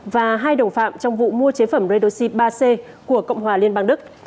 và hai đồng phạm trong vụ mua chế phẩm redoxi ba c của cộng hòa liên bang đức